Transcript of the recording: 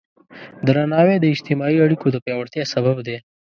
درناوی د اجتماعي اړیکو د پیاوړتیا سبب دی.